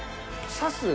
さす